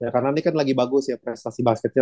karena ini kan lagi bagus ya prestasi basketnya